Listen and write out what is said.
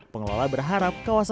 pengelola berharap kawasan